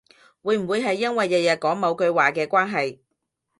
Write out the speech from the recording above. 會唔會係因為日日講某句話嘅關係